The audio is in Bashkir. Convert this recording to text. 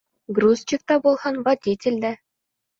Грузчик та булһын, водитель дә.